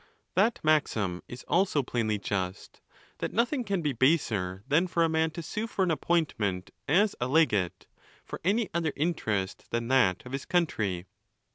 , That maxim is also plainly just, that nothing can be baser than for a man to sue for an appointment as a legate, for any other interest than that of his country.